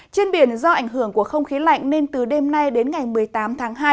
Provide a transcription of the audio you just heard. trên biển do ảnh hưởng của không khí lạnh nên từ đêm nay đến ngày một mươi tám tháng hai